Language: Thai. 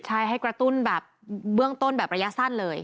ใช่ให้กระตุ้นแบบเบื้องต้นแบบระยะสั้นเลย